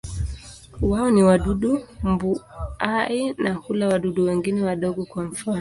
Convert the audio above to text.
Wao ni wadudu mbuai na hula wadudu wengine wadogo, kwa mfano.